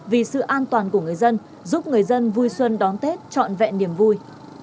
vì sự an toàn của người dân giúp người dân vui xuân đón tết trọn vẹn niềm vui